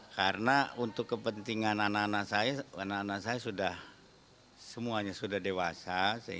karena untuk kepentingan anak anak saya anak anak saya sudah semuanya sudah dewasa